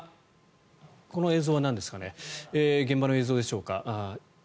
この映像はなんですかね現場の映像でしょうか。